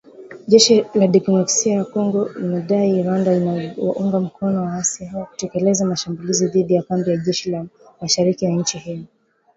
Jeshi la Jamhuri ya Kidemokrasia ya Kongo limedai Rwanda inawaunga mkono waasi hao kutekeleza mashambulizi dhidi ya kambi za jeshi mashariki mwa nchi hiyo.